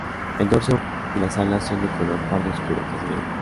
El dorso y las alas son de color pardo oscuro, casi negro.